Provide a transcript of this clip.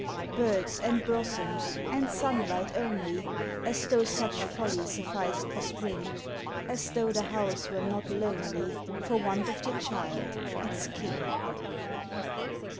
Birds, and blossoms, and sunlight only, As though such folly sufficed for spring! As though the house were not lonely For want of the child its king!